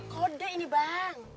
kode ini bang